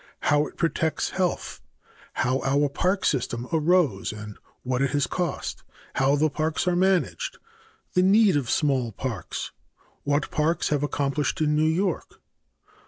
How it protects health. How our park system arose and what it has cost. How the parks are managed. The need of small parks. What parks have accomplished in New York.